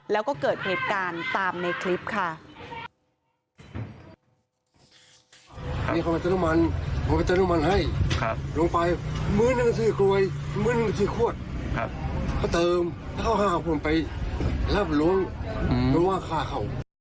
แล้วก็เกิดเหตุการณ์ตามในคลิปค่ะ